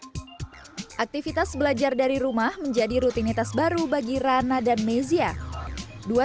hai aktivitas belajar dari rumah menjadi rutinitas baru bagi rana dan mezia dua